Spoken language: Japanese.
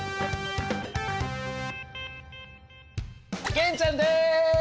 玄ちゃんです！